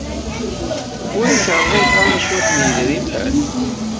Ur ak-rḍileɣ ara cwiṭ n yidrimen?